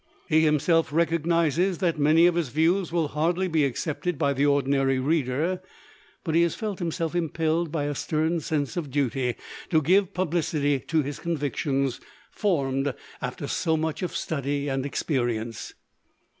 He himself recognises that many of his views will hardly be accepted by the ordinary reader, but he has felt himself impelled by a stern sense of duty to give publicity to his convictions formed after so much of study and experience.